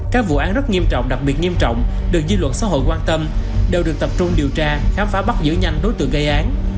các vụ án rất nghiêm trọng đặc biệt nghiêm trọng được dư luận xã hội quan tâm đều được tập trung điều tra khám phá bắt giữ nhanh đối tượng gây án